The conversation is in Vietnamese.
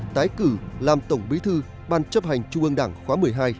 tái cử làm tổng bí thư ban chấp hành trung ương đảng khóa một mươi hai